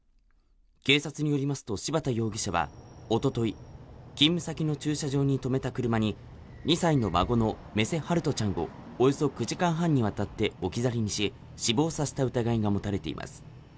警察によりますと柴田容疑者はおととい勤務先の駐車場に止めた車に２歳の孫の目瀬陽翔ちゃんをおよそ９時間半にわたって置き去りにし死亡させた疑いが持たれています